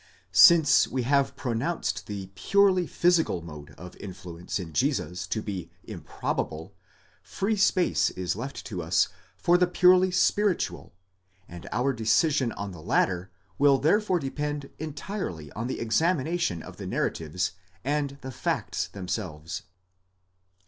Since we have pro nounced the purely physical mode of influence in Jesus to be improbable, free space is left to us for the purely spiritual, and our decision on the latter will therefore depend entirely on the examination of the narratives and the facts themselves.